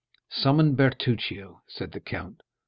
"Summon Bertuccio," said the count.